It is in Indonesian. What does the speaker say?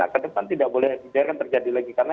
ke depan tidak boleh terjadi lagi karena